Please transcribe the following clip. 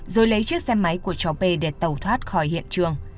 rồi lấy chiếc xe máy của cháu p để tẩu thoát khỏi hiện trường